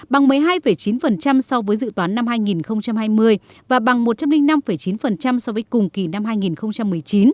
bằng một mươi hai chín so với dự toán năm hai nghìn hai mươi và bằng một trăm linh năm chín so với cùng kỳ năm hai nghìn một mươi chín